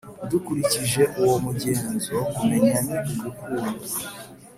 dukurikije uwo mugenzo, kumenya ni ugukunda.